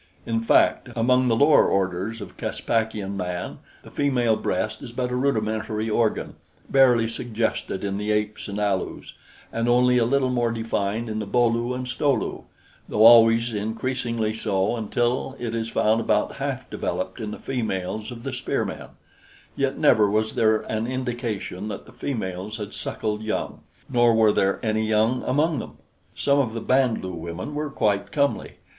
In fact, among the lower orders of Caspakian man the female breast is but a rudimentary organ, barely suggested in the apes and Alus, and only a little more defined in the Bo lu and Sto lu, though always increasingly so until it is found about half developed in the females of the spear men; yet never was there an indication that the females had suckled young; nor were there any young among them. Some of the Band lu women were quite comely.